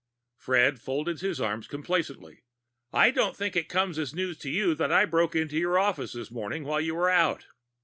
Fred folded his arms complacently. "I don't think it comes as news to you that I broke into your office this morning while you were out.